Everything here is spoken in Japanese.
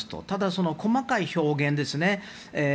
ただ細かい表現ですね。